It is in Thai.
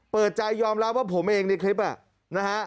เปิดใจยอมรับว่าผมเองในคลิปนะฮะ